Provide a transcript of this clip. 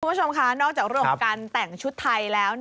คุณผู้ชมค่ะนอกจากเรื่องของการแต่งชุดไทยแล้ว